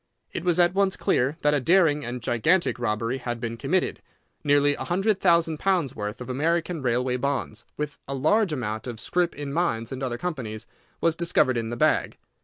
It was at once clear that a daring and gigantic robbery had been committed. Nearly a hundred thousand pounds' worth of American railway bonds, with a large amount of scrip in other mines and companies, was discovered in the bag.